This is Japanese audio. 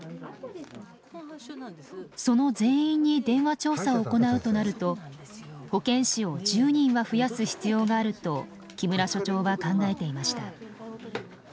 その全員に電話調査を行うとなると保健師を１０人は増やす必要があると木村所長は考えていました。